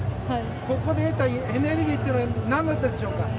ここで得たエネルギーというのは何だったんでしょうか？